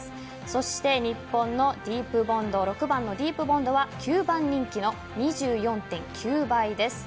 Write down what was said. そして日本のディープボンド６番のディープボンドは９番人気の２４．９倍です。